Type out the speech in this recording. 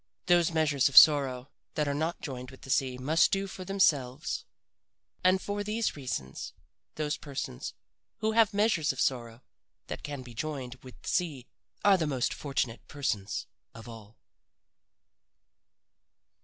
"Those measures of sorrow that are not joined with the sea must do for themselves. "And for these reasons, those persons who have measures of sorrow that can be joined with the sea are the most fortunate persons of all."